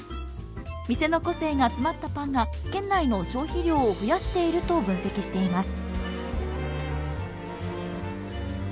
店の個性が詰まったパンが県内の消費量を増やしていると分析しています